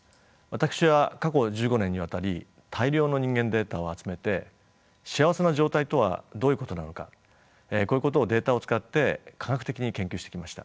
私は過去１５年にわたり大量の人間のデータを集めて幸せな状態とはどういうことなのかこういうことをデータを使って科学的に研究してきました。